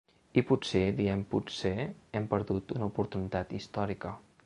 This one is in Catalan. I potser, diem potser, hem perdut una oportunitat històrica.